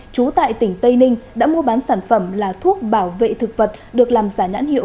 trú tại tỉnh tây ninh đã mua bán sản phẩm là thuốc bảo vệ thực vật được làm giả nhãn hiệu